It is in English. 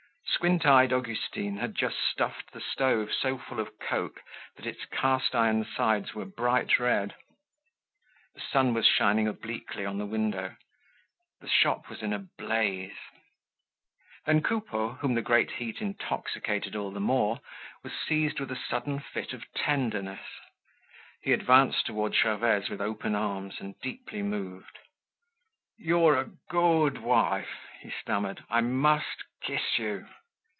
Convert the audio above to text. Squint eyed Augustine had just stuffed the stove so full of coke that its cast iron sides were bright red. The sun was shining obliquely on the window; the shop was in a blaze. Then, Coupeau, whom the great heat intoxicated all the more, was seized with a sudden fit of tenderness. He advanced towards Gervaise with open arms and deeply moved. "You're a good wife," he stammered. "I must kiss you."